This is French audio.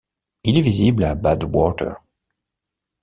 Il est visible à Bad Water.